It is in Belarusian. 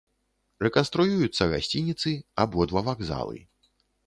Рэканструююцца гасцініцы, абодва вакзалы.